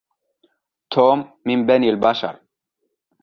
توم من بني البشر.